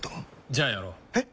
じゃあやろう。え？